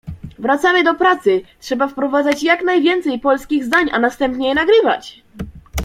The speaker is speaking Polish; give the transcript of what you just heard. wracamy do pracy, trzeba wprowadzać jak najwięcej polskich zdań a następnie je nagrywać!